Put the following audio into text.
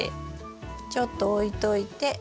ちょっと置いといて。